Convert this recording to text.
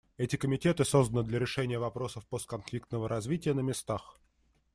Эти комитеты созданы для решения вопросов постконфликтного развития на местах.